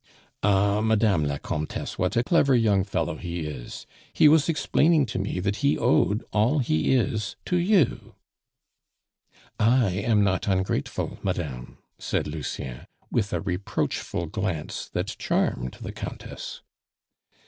"Ah! Mme. la Comtesse, what a clever young fellow he is! He was explaining to me that he owed all he is to you " "I am not ungrateful, madame," said Lucien, with a reproachful glance that charmed the Countess.